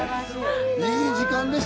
いい時間でした。